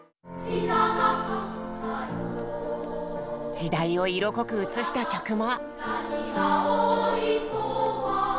時代を色濃く映した曲も。